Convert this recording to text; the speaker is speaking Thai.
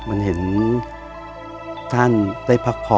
มันเห็นท่านได้พักผ่อน